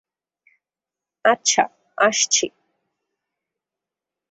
আচ্ছা, আসছি।